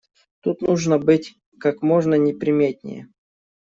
Тут нужно быть как можно неприметнее.